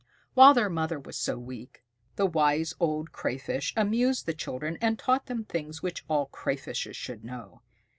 While their mother was so weak, the Wise Old Crayfish amused the children, and taught them things which all Crayfishes should know.